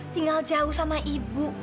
tinggal jauh sama ibu